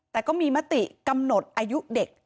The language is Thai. แต่ก็มีมติกำหนดอายุเด็ก